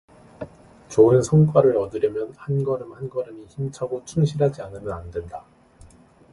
좋은 성과를 얻으려면 한 걸음 한 걸음이 힘차고 충실하지 않으면 안 된다.